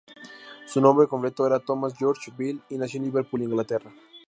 Su nombre completo era Thomas George Bell, y nació en Liverpool, Inglaterra.